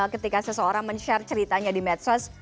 ketika seseorang men share ceritanya di medsos